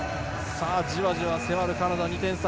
じわじわ迫るカナダ、２点差。